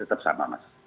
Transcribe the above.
tetap sama mas